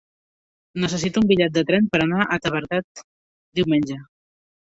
Necessito un bitllet de tren per anar a Tavertet diumenge.